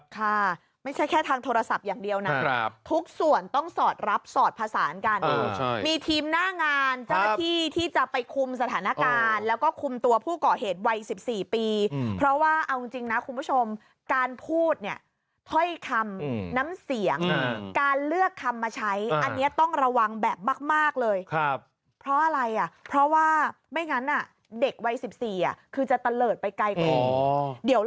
โทรศัพท์ครับค่ะไม่ใช่แค่ทางโทรศัพท์อย่างเดียวนะครับทุกส่วนต้องสอดรับสอดภาษาอันการมีทีมหน้างานเจ้าที่ที่จะไปคุมสถานการณ์แล้วก็คุมตัวผู้เกาะเหตุวัย๑๔ปีเพราะว่าเอาจริงนะคุณผู้ชมการพูดเนี่ยเฮ้ยคำน้ำเสียงการเลือกคำมาใช้อันเนี้ยต้องระวังแบบมากเลยครับเพราะอะไรอ่ะเพราะว่าไม่